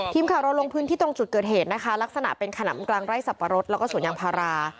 ทีมข่าวเราลงพื้นที่ตรงจุดเกิดเหตุนะคะลักษณะเป็นขนำกลางไร่สับปะรดแล้วก็สวนยางพารา